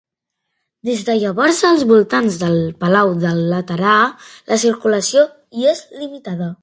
Des de llavors als voltants del palau del Laterà la circulació hi és limitada.